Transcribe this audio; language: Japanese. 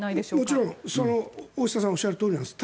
もちろん大下さんがおっしゃるとおりなんです。